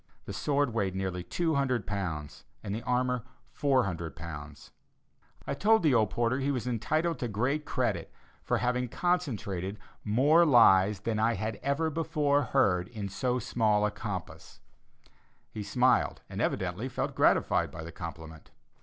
The sword weighed nearly 200 pounds, and the armor 400 pounds. I told the old porter he was entitled to great credit for having concentrated more lies than I had ever before heard in so small a compass. He smiled, and evidently felt gratified by the compliment.